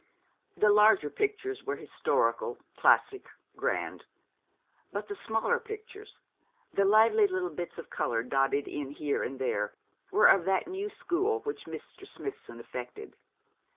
The larger pictures were historical, classic, grand; but the smaller pictures the lively little bits of colour dotted in here and there were of that new school which Mr. Smithson affected.